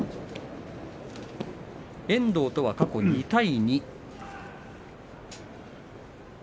遠藤とは過去２対２。